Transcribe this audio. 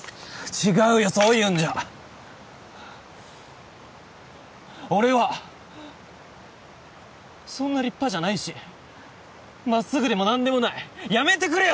違うよそういうんじゃ俺はそんな立派じゃないしまっすぐでも何でもないやめてくれよ